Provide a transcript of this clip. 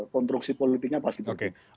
konstruksi politiknya pasti berbeda